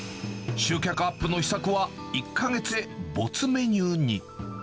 集客アップの秘策は、１か月で没メニューに。